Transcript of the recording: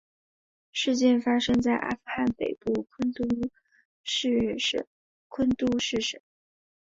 事件发生在阿富汗北部昆都士省昆都士市。